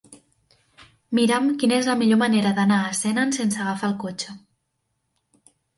Mira'm quina és la millor manera d'anar a Senan sense agafar el cotxe.